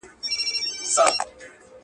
کله چي څوک له قدرته لویږي ملګري ورکوي.